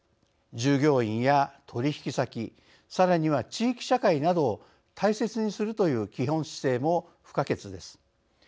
従業員や取引先さらには地域社会などを大切にするという基本姿勢も不可欠です。